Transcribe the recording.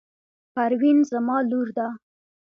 پروین زما لور ده.